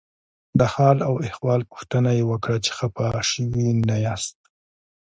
د حال او احوال پوښتنه یې وکړه چې خپه شوي نه یاست.